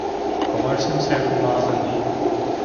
Choval jsem se jako blázen.